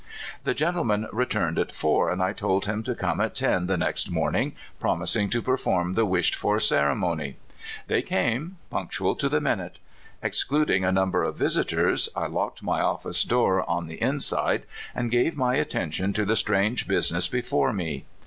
The gentleman returned at four, and I told him to come at ten the next morning, promisincr to perform the wished for ceremony. ^ They came, punctual to the minute. Exclud ing a number of visitors, I locked my otfice door on the inside, and gave my attention to the strauL^e business befor^ me.